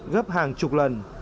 gấp hàng chục lần